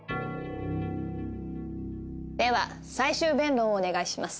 では最終弁論をお願いします。